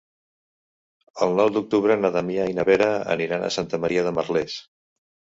El nou d'octubre na Damià i na Vera aniran a Santa Maria de Merlès.